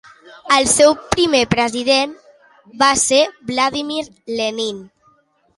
El seu primer president va ser Vladímir Lenin.